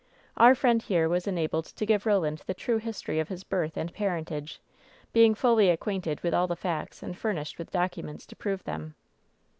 Our friend here was enabled to give Roland the true history of his birth and parentage, being fully acquainted with all the facts and furnished with docu ments to prove them."